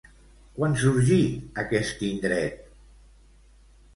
Quan sorgí aquest indret?